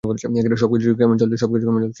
সবকিছু কেমন চলছে?